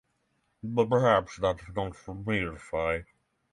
But perhaps that's not for me to say.